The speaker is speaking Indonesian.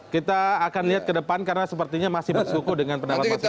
kita akan lihat ke depan karena sepertinya masih bersyukur dengan pendapat masyarakat